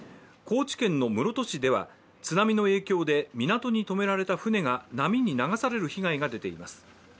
高知県室戸市では津波の影響で港にとめられた船が波に流される被害が出ています。